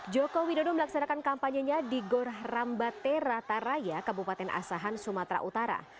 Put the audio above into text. jokowi dodo melaksanakan kampanye di gorah rambate rata raya kabupaten asahan sumatera utara